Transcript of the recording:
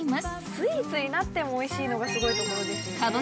スイーツになってもおいしいのがすごいところですよ。